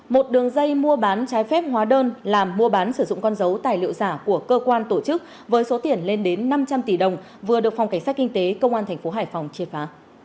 một đường dây mua bán trái phép hóa đơn làm mua bán sử dụng con dấu tài liệu giả của cơ quan tổ chức với số tiền lên đến năm trăm linh tỷ đồng vừa được phòng cảnh sát kinh tế công an tp hải phòng triệt phá